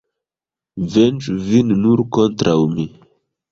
Venĝu vin nur kontraŭ mi.